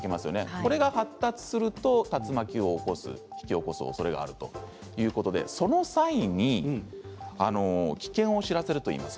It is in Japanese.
これが発達すると竜巻を引き起こすおそれがあるということでその際に危険を知らせるといいます。